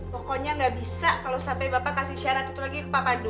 pokoknya nggak bisa kalau sampai bapak kasih syarat itu lagi ke pak pandu